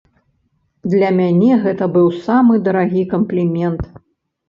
Для мяне гэта быў самы дарагі камплімент.